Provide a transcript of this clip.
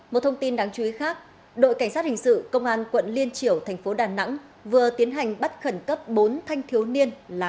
một thông tin đáng chú ý khác đội cảnh sát hình sự công an quận liên triểu thành phố đà nẵng vừa tiến hành bắt khẩn cấp bốn thanh thiếu niên là